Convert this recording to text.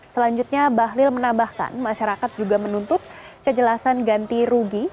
selanjutnya bahlil menambahkan masyarakat juga menuntut kejelasan ganti rugi